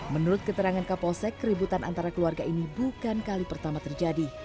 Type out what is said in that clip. menurut keterangan kapolsek keributan antara keluarga ini bukan kali pertama terjadi